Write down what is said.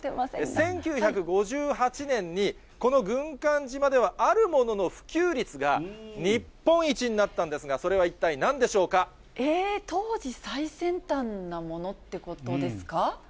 １９５８年に、この軍艦島ではあるものの普及率が日本一になったんですが、えー、当時最先端なものってことですか。